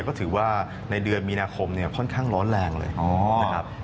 ก็ถือว่าในเดือนมีนาคมเนี่ยค่อนข้างร้อนแรงเลยนะครับ